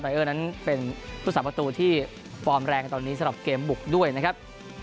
แต่เอ้อนั้นเป็นคนสามารถปกติที่ฟอร์มแรงตัวนี้สำหรับเกมบุคด้วยนะครับ